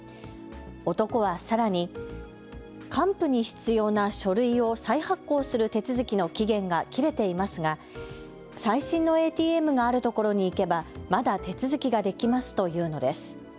男はさらに還付に必要な書類を再発行する手続きの期限が切れていますが最新のＡＴＭがあるところに行けばまだ手続きができますと言うのです。